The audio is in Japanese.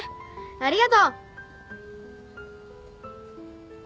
ありがとう